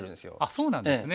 そうなんですね。